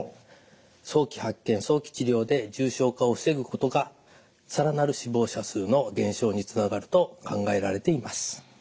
早期発見早期治療で重症化を防ぐことが更なる死亡者数の減少につながると考えられています。